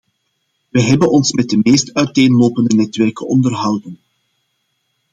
We hebben ons met de meest uiteenlopende netwerken onderhouden.